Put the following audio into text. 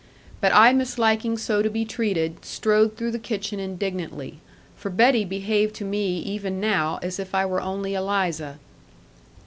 But I misliking so to be treated, strode through the kitchen indignantly, for Betty behaved to me even now, as if I were only Eliza.